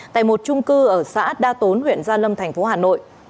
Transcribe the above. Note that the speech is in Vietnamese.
tại một trung cư ở xã đa tốn huyện gia lâm thành phố hà nội